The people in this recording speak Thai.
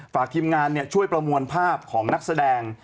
ฝากทีมงานช่วยประมวลภาพของนักแสดง